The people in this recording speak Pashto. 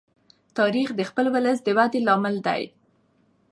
تاریخ د خپل ولس د وده لامل دی.